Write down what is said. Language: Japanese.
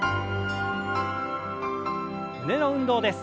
胸の運動です。